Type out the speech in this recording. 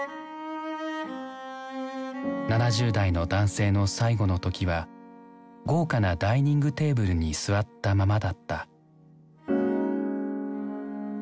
７０代の男性の最期の時は豪華なダイニングテーブルに座ったままだった。